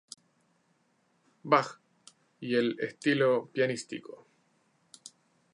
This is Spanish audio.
Bach y el "estilo pianístico".